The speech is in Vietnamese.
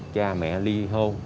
cha mẹ ly hôn